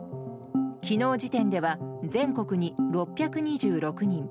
昨日時点では全国に６２６人。